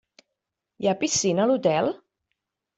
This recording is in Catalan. Hi ha piscina a l'hotel?